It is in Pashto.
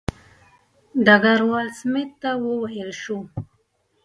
ډګروال سمیت ته وویل شو.